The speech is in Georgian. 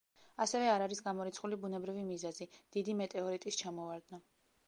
ასევე არ არის გამორიცხული ბუნებრივი მიზეზი: დიდი მეტეორიტის ჩამოვარდნა.